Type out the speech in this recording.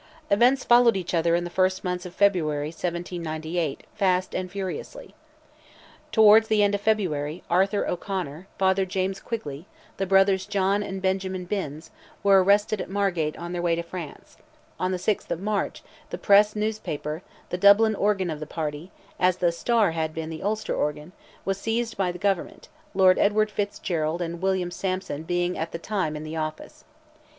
Events followed each other in the first months of 1798, fast and furiously. Towards the end of February, Arthur O'Conor, Father James Quigley, the brothers John and Benjamin Binns, were arrested at Margate on their way to France; on the 6th of March, the Press newspaper, the Dublin organ of the party, as the Star had been the Ulster organ, was seized by Government, Lord Edward Fitzgerald and William Sampson being at the time in the office.